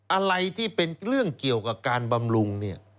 อะไรที่เป็นเรื่องเกี่ยวกับการบำรุงเนี่ย